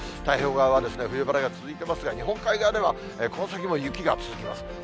太平洋側はですね、冬晴れが続いてますが、日本海側ではこの先も雪が続きます。